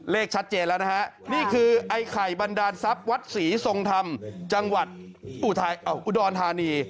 เลขชัดเจนแล้วนะฮะนี่คือไอ้ไข่บันดาลทรัพย์วัดศรีทรงธรรมจังหวัดอุดรธานี